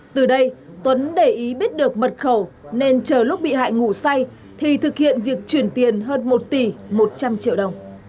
từ đây tuấn để ý biết được mật khẩu nên chờ lúc bị hại ngủ say thì thực hiện việc chuyển tiền hơn một tỷ một trăm linh triệu đồng